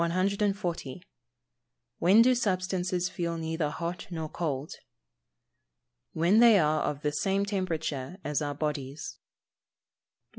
When do substances feel neither hot nor cold? When they are of the same temperature as our bodies. 141.